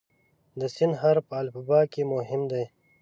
د "س" حرف په الفبا کې مهم دی.